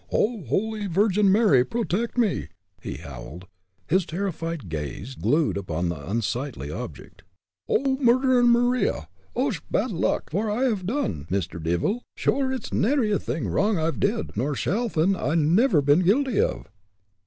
"Oh, holy Virgin Mary, protect me!" he howled, his terrified gaze glued upon the unsightly object. "Oh, murdtherin Maria! och, bad luck! fot have I done, Mr. Divil? shure it's nary a thing wrong I've did, nor sthalin' I've never been guilty of!"